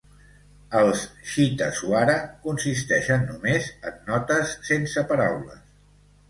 Els "chitta swara" consisteixen només en notes sense paraules.